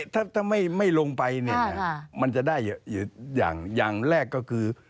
ถ้าไม่ลงไปเนี่ยมันจะได้อย่างแรกก็คือ